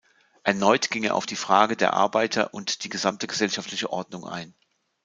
Erneut ging er auf die Frage der Arbeiter und die gesamte gesellschaftliche Ordnung ein.